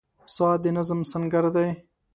• ساعت د نظم سنګر دی.